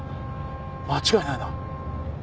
間違いないな。